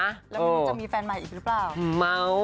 แล้วไม่รู้จะมีแฟนใหม่อีกหรือเปล่าเมา